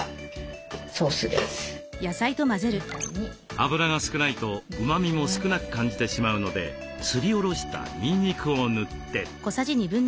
油が少ないとうまみも少なく感じてしまうのですりおろしたにんにくを塗って。